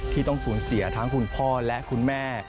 ที่ต้องสูญเสียทั้งคุณพ่อและคุณแม่